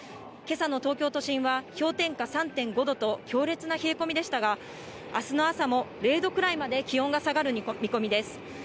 けさの東京都心は氷点下３．５度と強烈な冷え込みでしたが、あすの朝も０度くらいまで気温が下がる見込みです。